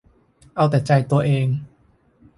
เอาแต่ใจตัวเอง